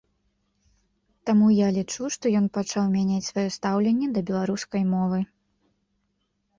Таму я лічу, што ён пачаў мяняць сваё стаўленне да беларускай мовы.